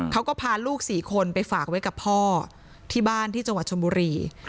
เขาก็พาลูก๔คนไปฝากไว้กับพ่อที่บ้านที่จังหวัดชนบุรี